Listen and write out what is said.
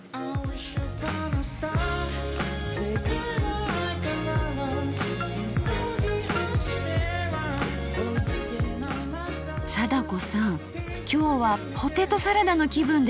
今日はポテトサラダの気分です。